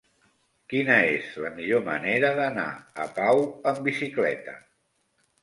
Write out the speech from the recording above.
Quina és la millor manera d'anar a Pau amb bicicleta?